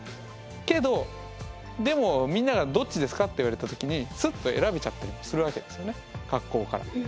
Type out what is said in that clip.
けどでもみんながどっちですかって言われた時にすっと選べちゃったりもするわけですよね格好から。